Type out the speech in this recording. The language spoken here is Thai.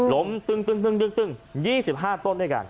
ล้มตึง๒๕ต้นด้วยกัน